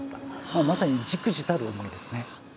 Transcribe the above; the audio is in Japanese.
まさにじくじたる思いですね。